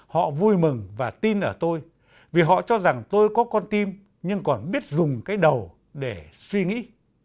họ vui mừng và tin ở tôi vì họ cho rằng tôi có con tim nhưng còn biết dùng cái đầu để suy nghĩ